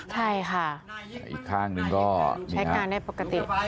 ใช่ค่ะอีกข้างหนึ่งก็ใช้งานได้ปกติ